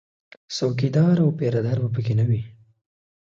څوکیدار او پیره دار به په کې نه وي